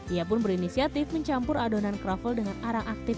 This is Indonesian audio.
ia pun berinisiatif mencampur adonan kroffel dengan arang aktif